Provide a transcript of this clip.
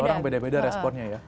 orang beda beda responnya ya